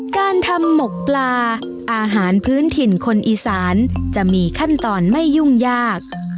การทำหมกปลาอาหารพื้นถิ่นคนอีสานจะมีขั้นตอนไม่ยุ่งยาก